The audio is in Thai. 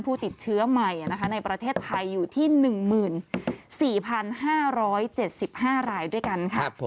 ผู้ติดเชื้อใหม่ในประเทศไทยอยู่ที่๑๔๕๗๕รายด้วยกันค่ะ